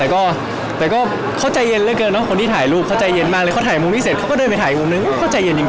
คงเฉยอะเรือเน็ตอึดมาเลยเขาถ่ายมุมนี่เสร็จเขาก็เร่อไปถ่ายดูมุมนี่ก็เขาใจเย็นจริง